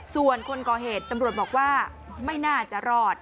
ส่วนคนก่อเหตุตำรวจบอกว่าไม่น่าจะรอด